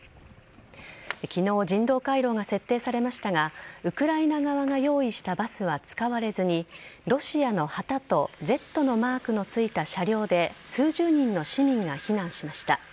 昨日人道回廊が設定されましたがウクライナ側が用意したバスは使われずにロシアの旗とＺのマークのついた車両で数十人の市民が避難しました。